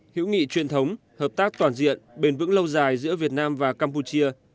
hữu nghị truyền thống hợp tác toàn diện bền vững lâu dài giữa việt nam và campuchia